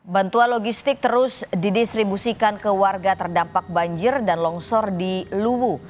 bantuan logistik terus didistribusikan ke warga terdampak banjir dan longsor di luwu